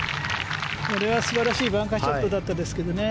これは素晴らしいバンカーショットだったんですけどね。